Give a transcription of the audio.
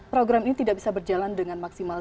program ini tidak bisa berjalan dengan maksimal